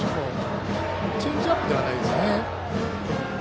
チェンジアップではないですね。